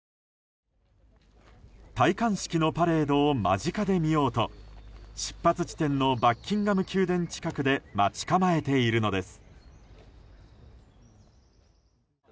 戴冠式のパレードを間近で見ようと出発地点のバッキンガム宮殿近くで待ち構えているのです。